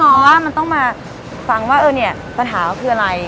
เพราะว่ามันต้องมาฟังว่าปัญหาเขาคืออะไร